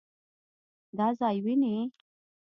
دا ځای وينې؟